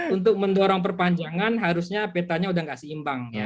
untuk mendorong perpanjangan harusnya petanya sudah tidak seimbang